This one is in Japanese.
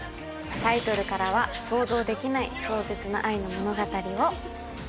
タイトルからは想像できない壮絶な愛の物語を。